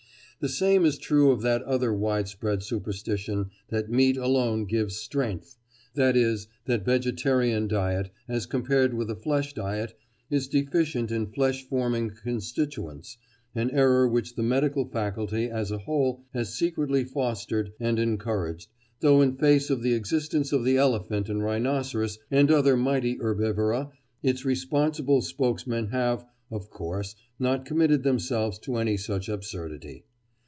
The same is true of that other widespread superstition, that meat alone "gives strength"—i.e., that vegetarian diet, as compared with a flesh diet, is deficient in flesh forming constituents—an error which the medical faculty, as a whole, has secretly fostered and encouraged, though in face of the existence of the elephant and rhinoceros and other mighty herbivora, its responsible spokesmen have, of course, not committed themselves to any such absurdity.